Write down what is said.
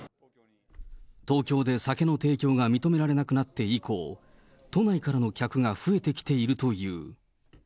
東京で酒の提供が認められなくなって以降、都内からの客が増えてきているという。